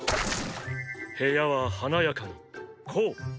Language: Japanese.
部屋は華やかにこう。